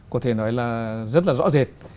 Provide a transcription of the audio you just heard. có thể nói là rất là rõ rệt